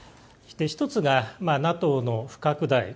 １つがＮＡＴＯの不拡大